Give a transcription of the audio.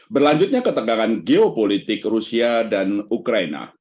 berlanjutnya ketegangan geopolitik rusia dan ukraina